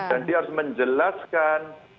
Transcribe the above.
dan dia harus menjelaskan